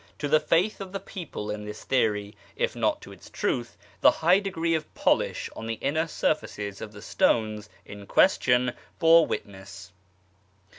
To the faith of the people in this theory, if not to its truth, the high degree of polish on the inner surfaces of the stones in question bore witness.